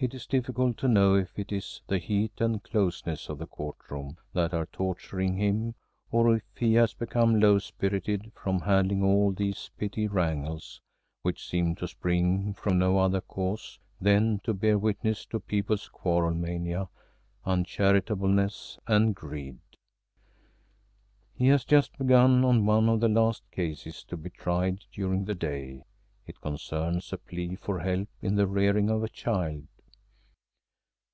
It is difficult to know if it is the heat and closeness of the court room that are torturing him or if he has become low spirited from handling all these petty wrangles, which seem to spring from no other cause than to bear witness to people's quarrel mania, uncharitableness, and greed. He has just begun on one of the last cases to be tried during the day. It concerns a plea for help in the rearing of a child.